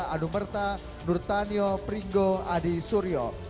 anu merta nur tanyo pringo adi suryo